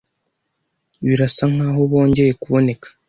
Birasa nkaho bongeye kuboneka.